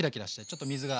ちょっと水が。